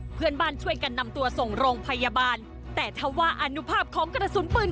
เพื่อนบ้านช่วยกันนำตัวส่งโรงพยาบาลแต่ถ้าว่าอนุภาพของกระสุนปืน